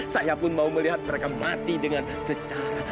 saya pun mau melihat mereka mati dengan secara